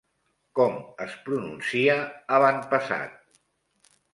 Com es pronuncia avantpassat?